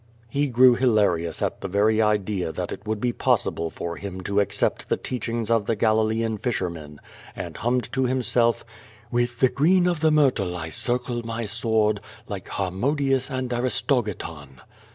lie grew hilarious at the very idea that it would be possible for him to accept the teachings of the Galilean fishermen, and hummed to himself: With the green of the mjTtle I circle my sword Like Ilarmodius and Aristogiton.